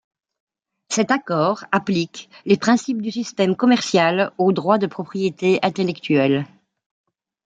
Cet accord applique les principes du système commercial aux droits de propriété intellectuelle.